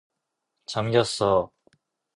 잠겼어.